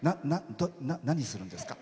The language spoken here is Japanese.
何をするんですか？